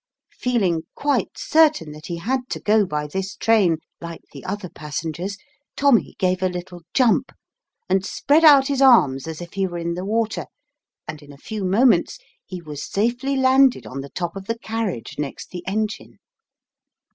Feeling quite certain that he had to go by this train, like the other pas sengers, Tommy gave a little jump, and spread out his arms as if he were in the water, and in a few moments he was safely landed on the top of the carriage next the engine.